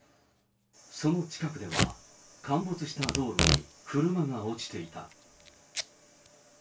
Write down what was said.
その近くでは、陥没した道路に車が落ちていた。